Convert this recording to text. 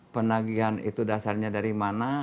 penagihan itu dasarnya dari mana